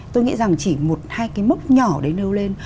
tôi nghĩ rằng chỉ một hai cái mốc nhỏ đấy nêu lên